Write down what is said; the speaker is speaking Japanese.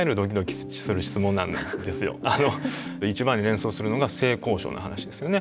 一番に連想するのが性交渉の話ですよね。